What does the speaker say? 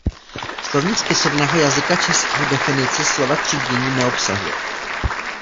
Slovník spisovného jazyka českého definici slova třídění neobsahuje.